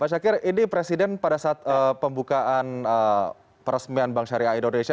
pak syakir ini presiden pada saat pembukaan peresmian bank syariah indonesia